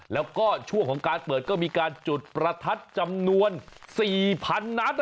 แล้วก็ช่วงของการเปิดก็มีการจุดประทัดจำนวน๔๐๐๐นัด